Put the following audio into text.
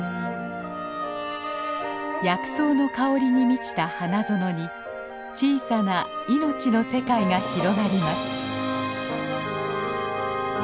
薬草の香りに満ちた花園に小さな命の世界が広がります。